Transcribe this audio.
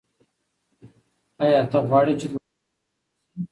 آیا ته غواړې چې دعاوې دې قبولې شي؟